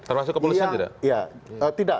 termasuk kepolisian juga